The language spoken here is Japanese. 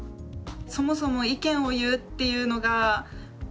そもそも意見を言うっていうのが難しい。